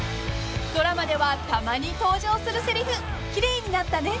［ドラマではたまに登場するせりふ「奇麗になったね」］